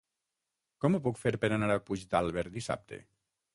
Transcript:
Com ho puc fer per anar a Puigdàlber dissabte?